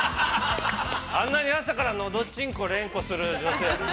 あんなに朝からのどちんこ連呼する女性。